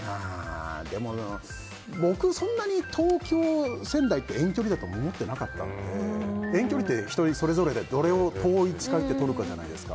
でも、僕はそんなに東京と仙台って遠距離だと思ってなかったので遠距離って人それぞれでどう位置を取るかじゃないですか。